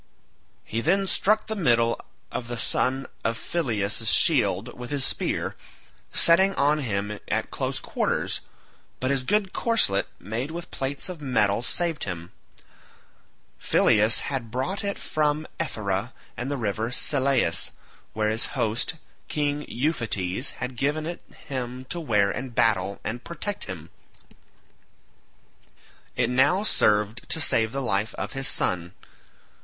He then struck the middle of the son of Phyleus' shield with his spear, setting on him at close quarters, but his good corslet made with plates of metal saved him; Phyleus had brought it from Ephyra and the river Selleis, where his host, King Euphetes, had given it him to wear in battle and protect him. It now served to save the life of his son.